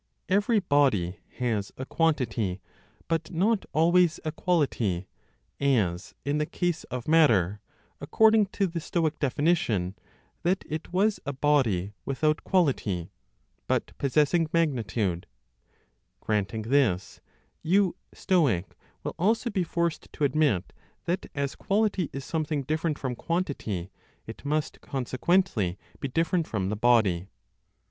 Every body has a quantity, but not always a quality, as in the case of matter, (according to the Stoic definition, that it was a body without quality, but possessing magnitude). Granting this, (you Stoic) will also be forced to admit that as quality is something different from quantity, it must consequently be different from the body.